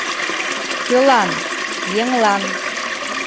Кӧлан?» — «Еҥлан».